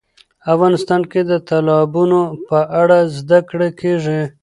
افغانستان کې د تالابونه په اړه زده کړه کېږي.